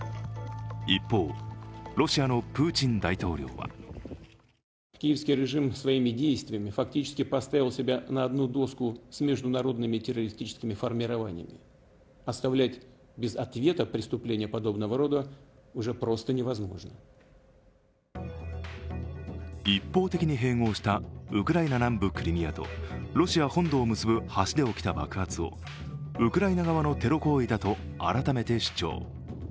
一方、ロシアのプーチン大統領は一方的に併合したウクライナ南部クリミアとロシア本土を結ぶ橋で起きた爆発をウクライナ側のテロ行為だと改めて主張。